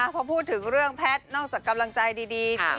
พอพูดถึงเรื่องแพทย์นอกจากกำลังใจดี